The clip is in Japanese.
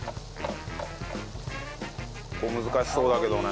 ここ難しそうだけどね。